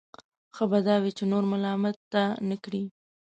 ښه به دا وي چې نور ملامته نه کړي.